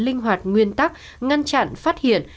linh hoạt nguyên tắc ngăn chặn phát hiện